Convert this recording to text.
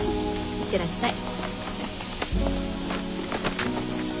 いってらっしゃい。